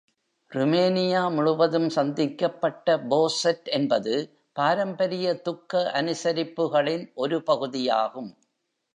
Romania முழுவதும் சந்திக்கப்பட்ட, bocet என்பது பாரம்பரிய துக்க அனுசரிப்புகளின் ஒரு பகுதியாகும்.